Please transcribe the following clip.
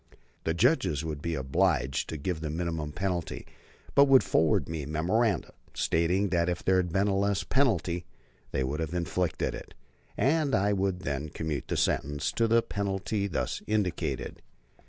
The judges would be obliged to give the minimum penalty, but would forward me memoranda stating that if there had been a less penalty they would have inflicted it, and I would then commute the sentence to the penalty thus indicated.